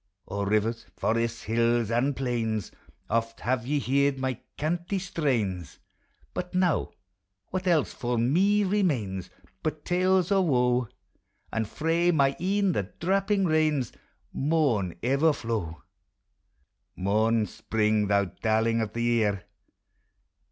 O rivers, forests, hills and plains! Oft have ye heard my canty strains: But now, what else for me remains But tales of wo? And frae my ecu the drappiug rains Maun ever flow. Mourn, Spring, thou darling of the year!